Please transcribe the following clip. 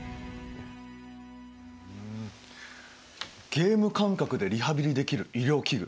ゲーム感覚でリハビリできる医療器具。